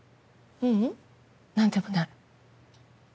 ううん何でもない。